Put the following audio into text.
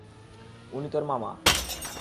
উনি তোর মামা।